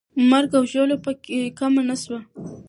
مرګ او ژوبله پکې کمه نه سوه.